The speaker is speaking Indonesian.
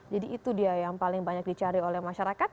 jadi itu dia yang paling banyak dicari oleh masyarakat